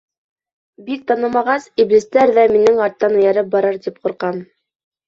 Бик танымағас, иблистәр ҙә минең арттан эйәреп барыр тип ҡурҡам.